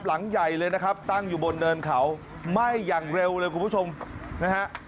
หลังใหญ่เลยนะครับตั้งอยู่บนเนินเขาไหม้อย่างเร็วเลยคุณผู้ชมนะฮะ